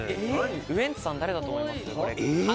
ウエンツさん、誰だと思いますか？